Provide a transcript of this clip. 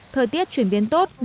thời tiết chuyển biến tốt hơn